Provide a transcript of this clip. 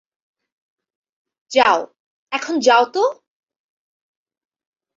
যাও, এখন যাও তো!